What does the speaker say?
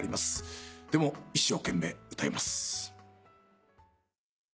一生懸命歌います。